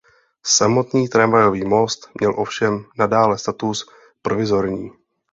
Samotný tramvajový most měl ovšem nadále status „provizorní“.